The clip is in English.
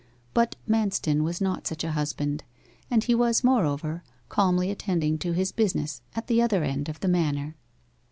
But Manston was not such a husband, and he was, moreover, calmly attending to his business at the other end of the manor.